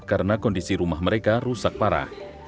karena kondisi rumah mereka rusak parah